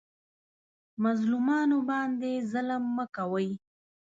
مظلومانو باندې ظلم مه کوئ